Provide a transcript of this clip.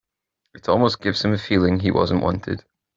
It almost gives him a feeling he wasn't wanted.